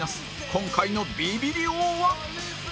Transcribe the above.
今回のビビリ王は！？